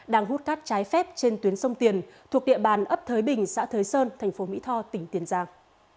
đang hút các trái phép trên tuyến sông tiền thuộc địa bàn ấp thới bình xã thới sơn tp mỹ tho tỉnh tiền giang